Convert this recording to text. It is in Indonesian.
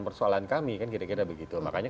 persoalan kami kan kira kira begitu makanya